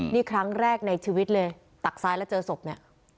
นี่ครั้งแรกในชีวิตเลยตักซ้ายแล้วเจอศพเนี่ย